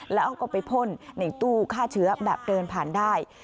แล้วก็ไปพ่นในตู้ฆ่าเชื้อแบบเดินผ่านได้